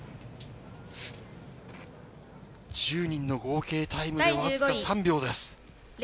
１０人の合計タイムでわずか３秒です。